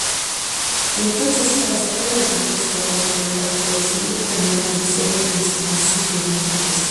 Entonces, para sacarla del contexto autobiográfico decidieron cambiarla de "Solo Renzo" a simplemente "Rezo".